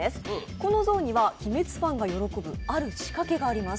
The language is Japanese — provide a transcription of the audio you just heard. この像には「鬼滅」ファンが喜ぶある仕掛けがあります。